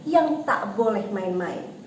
yang tak boleh main main